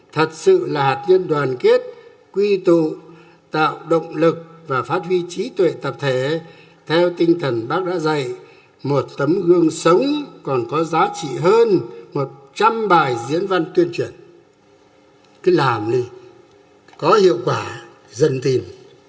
thật sự là tiên đoàn kết quy tụ tạo động lực và phát huy trí tuệ tập thể theo tinh thần bác đã dạy một tấm gương sống còn có giá trị hơn một trăm linh bài diễn văn tuyên truyền cái làm có hiệu quả dần tìm